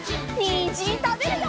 にんじんたべるよ！